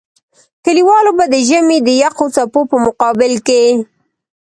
کلیوالو به د ژمي د يخو څپو په مقابل کې.